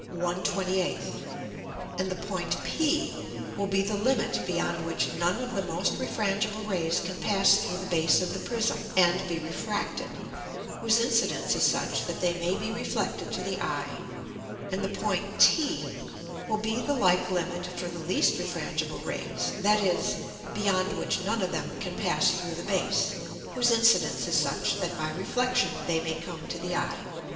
1/28, and the Point p will be the Limit beyond which none of the most refrangible Rays can pass through the Base of the Prism, and be refracted, whose Incidence is such that they may be reflected to the Eye; and the Point t will be the like Limit for the least refrangible Rays, that is, beyond which none of them can pass through the Base, whose Incidence is such that by Reflexion they may come to the Eye.